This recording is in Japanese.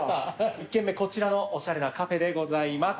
１軒目こちらのおしゃれなカフェでございます。